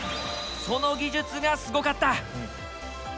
その技術がスゴかった！